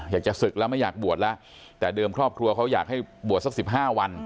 อยากจะศึกแล้วไม่อยากบวชแล้วแต่เดิมครอบครัวเขาอยากให้บวชสัก๑๕วัน